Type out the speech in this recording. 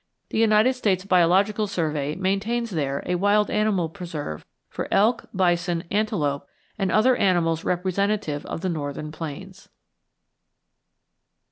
The United States Biological Survey maintains there a wild animal preserve for elk, bison, antelope, and other animals representative of the northern plains.